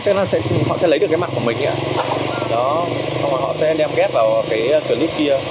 chắc là họ sẽ lấy được cái mặt của mình không có họ sẽ đem ghép vào cái clip kia